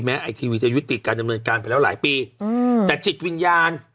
ไอทีวีจะยุติการดำเนินการไปแล้วหลายปีอืมแต่จิตวิญญาณ